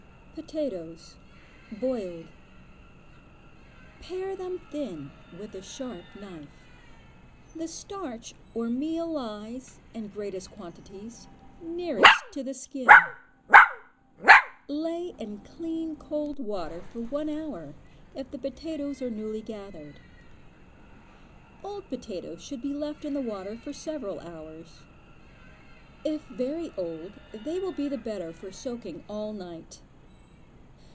Potatoes (boiled). Pare them thin with a sharp knife. The starch or meal lies, in greatest quantities, nearest to the skin. Lay in clean cold water for one hour, if the potatoes are newly gathered. Old potatoes should be left in the water for several hours. If very old, they will be the better for soaking all night.